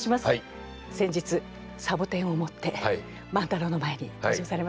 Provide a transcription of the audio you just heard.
先日サボテンを持って万太郎の前に登場されましたよね。